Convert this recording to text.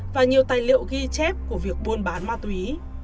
và nhiều tài liệu ghi chép của việc buôn bán ma túy